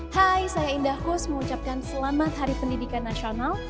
hai saya indah kus mengucapkan selamat hari pendidikan nasional